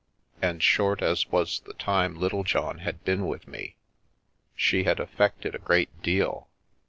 And short as was the time Littlejohn had been with me, she had effected a great deal.